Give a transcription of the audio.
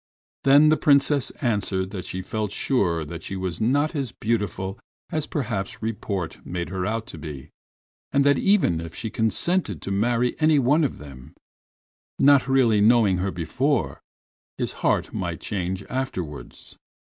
Then the Princess answered that she felt sure that she was not as beautiful as perhaps report made her out to be, and that even if she consented to marry any one of them, not really knowing her before, his heart might change afterwards.